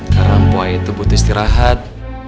karena mpua itu butuh istirahat